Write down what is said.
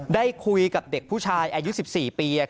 ได้คุยกับเด็กผู้ชายอายุ๑๔ปี